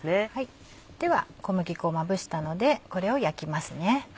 では小麦粉をまぶしたのでこれを焼きますね。